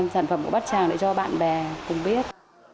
sản phẩm của bát tràng lại cho bạn bè cùng biết